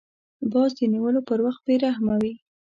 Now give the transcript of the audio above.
باز د نیولو پر وخت بې رحمه وي